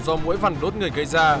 do mũi vằn đốt người gây ra